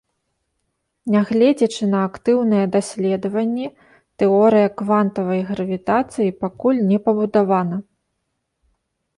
Нягледзячы на актыўныя даследаванні, тэорыя квантавай гравітацыі пакуль не пабудавана.